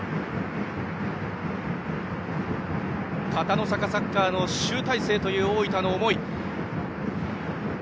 片野坂サッカーの集大成という大分の思い。